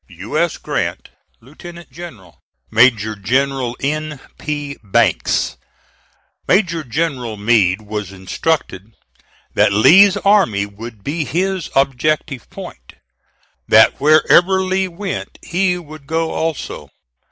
"U. S. GRANT, Lieutenant General. "MAJOR GENERAL N. P. BANKS." Major General Meade was instructed that Lee's army would be his objective point; that wherever Lee went he would go also.